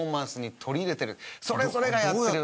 それぞれがやってる。